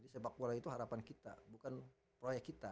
sepak bola itu harapan kita bukan proyek kita